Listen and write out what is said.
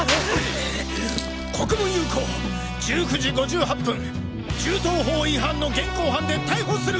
国分優子１９時５８分銃刀法違反の現行犯で逮捕する！